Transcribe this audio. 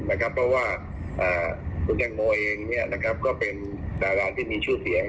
เพราะว่าคุณแตงโมเองก็เป็นดาราที่มีชื่อเสียง